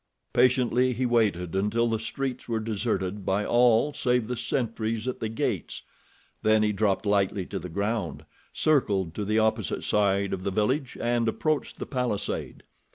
Patiently he waited until the streets were deserted by all save the sentries at the gates, then he dropped lightly to the ground, circled to the opposite side of the village and approached the palisade.